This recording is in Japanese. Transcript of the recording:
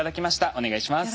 お願いします。